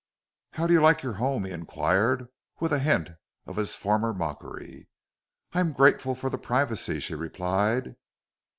"How do you like your home?" he inquired, with a hint of his former mockery. "I'm grateful for the privacy," she replied.